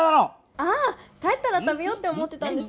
ああ帰ったら食べようって思ってたんです。